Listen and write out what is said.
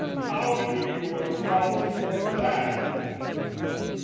How do you account for that?"